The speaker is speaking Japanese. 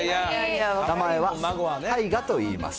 名前は大雅といいます。